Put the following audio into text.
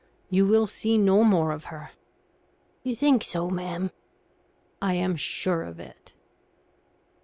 You will see no more of her." "You think so, ma'am?" "I am sure of it."